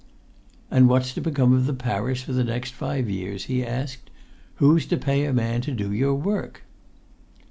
"And what's to become of the parish for the next five years?" he asked. "Who's to pay a man to do your work?"